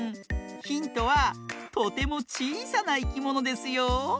ヒントはとてもちいさないきものですよ。